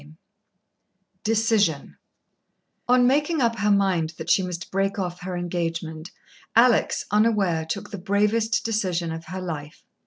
XIII Decision On making up her mind that she must break off her engagement, Alex, unaware, took the bravest decision of her life.